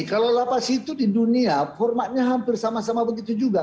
kalau lapas itu di dunia formatnya hampir sama sama begitu juga